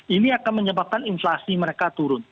ini akan menyebabkan inflasi mereka turun